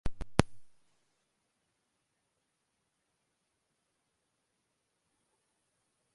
Este se trata de un hospital público de gestión privada.